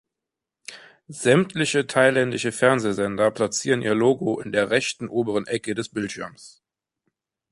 Sämtliche thailändischen Fernsehsender platzieren ihr Logo in der rechten oberen Ecke des Bildschirms.